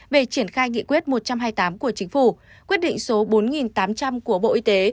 về triển khai nghị quyết một trăm hai mươi tám của chính phủ quyết định số bốn nghìn tám trăm linh của bộ y tế